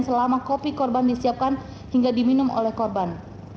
selama kopi korban disiapkan hingga diminum oleh korban